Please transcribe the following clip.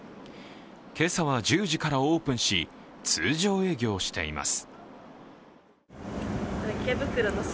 今朝は１０時からオープンし通常営業しています。